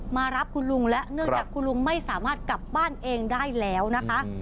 มารับคุณลุงและเนื่องจากคุณลุงไม่สามารถกลับบ้านเองได้แล้วนะคะ